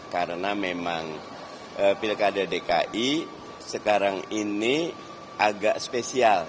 karena memang pilkada dki sekarang ini agak spesialis